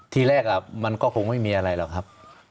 ทีแรกมันก็คงไม่มีอะไรหรอกครับ